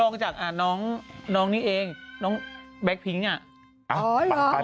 รองจากน้องนี่เองน้องแบล็กพิงค์